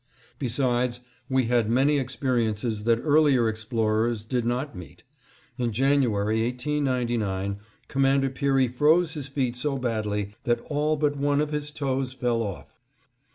Besides, we had many experiences that earlier explorers did not meet. In January, 1899, Commander Peary froze his feet so badly that all but one of his toes fell off.